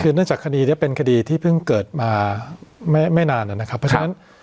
คือเนื่องจากคดีนี้เป็นคดีที่เพิ่งเกิดมาไม่นานนะครับเพราะฉะนั้น